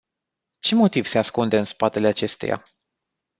Ce motiv se ascunde în spatele acesteia?